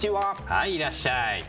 はいいらっしゃい。